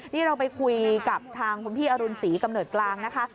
นี่เราไปคุยกับทางคุณพี่อรุณศรีกำเนิดกลางนะคะ